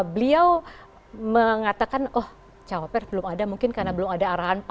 beliau mengatakan oh cawapres belum ada mungkin karena belum ada arahan